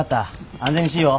安全にしいよ。